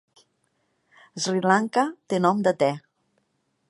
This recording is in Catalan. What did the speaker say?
Sri Lanka té nom de te.